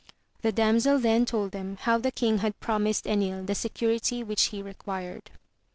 The damsel then told them how the king had promised Enil the security which he required.